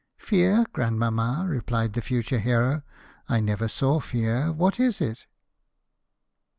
" Fear ! grandmamma," replied the future hero, " I never saw fear : what is it